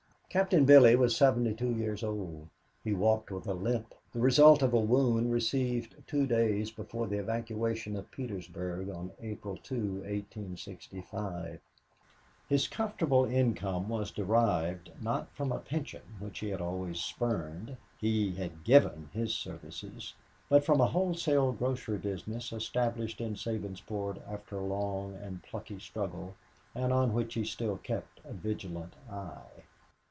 Captain Billy was seventy two years old. He walked with a limp, the result of a wound received two days before the evacuation of Petersburg on April 2, 1865. His comfortable income was derived not from a pension which he had always spurned he had given his services but from a wholesale grocery business established in Sabinsport after a long and plucky struggle and on which he still kept a vigilant eye.